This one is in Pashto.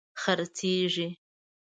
خرڅیږې